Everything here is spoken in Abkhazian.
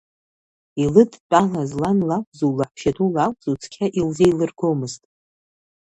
Илыдтәалаз лан лакәзу лаҳәшьаду лакәзу цқьа илзеилыргомызт.